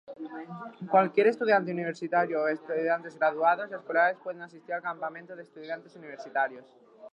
Cualquier estudiante universitario o estudiantes graduados escolares pueden asistir al campamento de Estudiantes Universitarios.